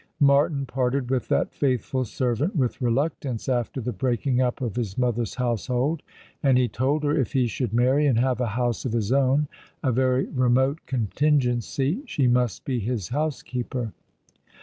Martin parted with that faithful servant with reluctance after the breaking up of his mother's household, and he told her if he should marry and have a house of his own — a very remote contingency — she must be his housekeeper.